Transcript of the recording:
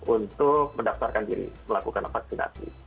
untuk mendaftarkan diri melakukan vaksinasi